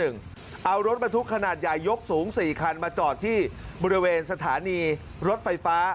เอารถบรรทุกขนาดใหญ่ยกสูง๔คันมาจอดที่บริเวณสถานีรถไฟฟ้า